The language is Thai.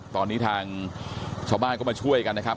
ตอนนี้ทางชาวบ้านก็มาช่วยกันนะครับ